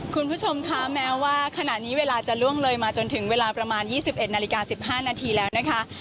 คุณผู้ชมคะแม้ว่าขณะนี้เวลาจะล่วงเลยมาจนถึงเวลาประมาณ๒๑นาฬิกา๑๕นาทีแล้วนะคะ